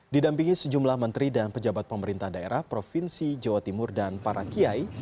didampingi sejumlah menteri dan pejabat pemerintah daerah provinsi jawa timur dan para kiai